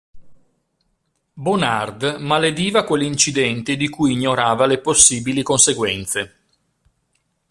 Bonard malediva quell'incidente di cui ignorava le possibili conseguenze.